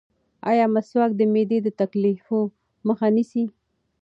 ایا مسواک د معدې د تکالیفو مخه نیسي؟